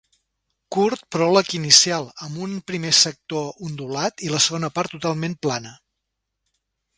Curt pròleg inicial, amb un primer sector ondulat i la segona part totalment plana.